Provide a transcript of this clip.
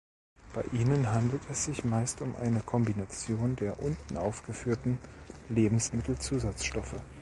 Bei ihnen handelt es sich meist um eine Kombination der unten aufgeführten Lebensmittelzusatzstoffe.